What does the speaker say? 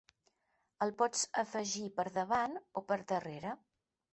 El pots afegir per davant o per darrere.